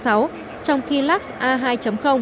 trong khi lux a hai